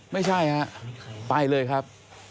ไม่ใช่ฮะไปเลยครับ